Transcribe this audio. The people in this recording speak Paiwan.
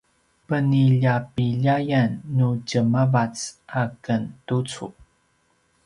peniljapiljayan nu djemavac a ken tucu